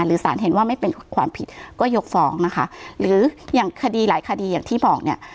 สารเห็นว่าไม่เป็นความผิดก็ยกฟ้องนะคะหรืออย่างคดีหลายคดีอย่างที่บอกเนี่ย